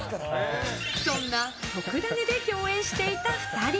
そんな「とくダネ！」で共演していた２人。